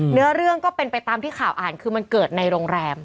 เรื่องก็เป็นไปตามที่ข่าวอ่านคือมันเกิดในโรงแรม